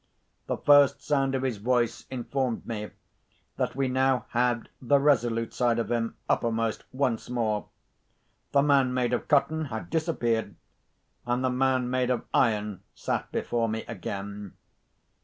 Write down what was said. The first sound of his voice informed me that we now had the resolute side of him uppermost once more. The man made of cotton had disappeared; and the man made of iron sat before me again.